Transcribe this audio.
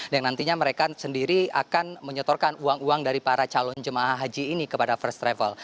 dan nantinya mereka sendiri akan menyotorkan uang uang dari para calon jemaah haji ini kepada first travel